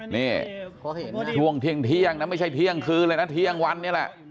นี่ช่วงเที่ยงนะไม่ใช่เที่ยงคืนเลยนะเที่ยงวันนี้แหละ